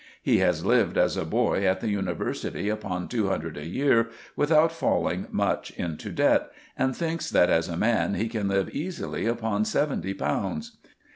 He has lived as a boy at the university upon two hundred a year without falling much into debt, and thinks that as a man he can live easily upon seventy pounds.